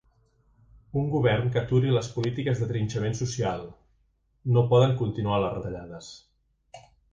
Un govern que aturi les polítiques de trinxament social; no poden continuar les retallades.